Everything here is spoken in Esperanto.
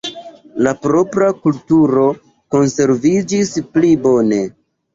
La propra kulturo konserviĝis pli bone.